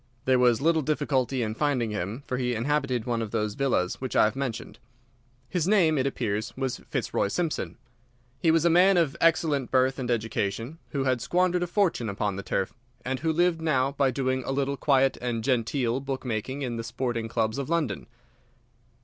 There was little difficulty in finding him, for he inhabited one of those villas which I have mentioned. His name, it appears, was Fitzroy Simpson. He was a man of excellent birth and education, who had squandered a fortune upon the turf, and who lived now by doing a little quiet and genteel book making in the sporting clubs of London.